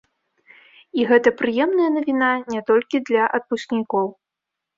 І гэта прыемная навіна не толькі для адпускнікоў.